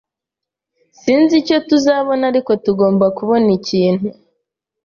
Sinzi icyo tuzabona, ariko tugomba kubona ikintu.